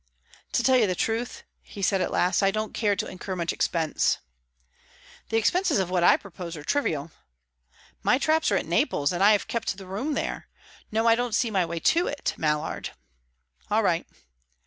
"To tell you the truth," he said at last, "I don't care to incur much expense." "The expenses of what I propose are trivial." "My traps are at Naples, and I have kept the room there. No, I don't see my way to it, Mallard." "All right."